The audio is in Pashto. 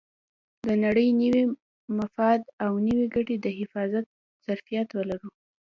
د نړۍ د نوي مفاد او نوې ګټې د حفاظت ظرفیت ولرو.